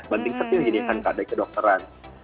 banting setiap jadikan kadai kedokteran